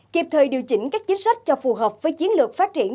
kịp thời điều chỉnh các chính sách cho phù hợp với chiến lược phát triển